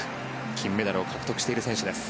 金メダルを獲得している選手です。